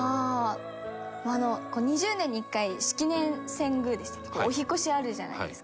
２０年に１回式年遷宮でしたっけお引っ越しあるじゃないですか。